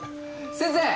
先生